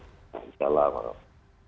assalamualaikum warahmatullahi wabarakatuh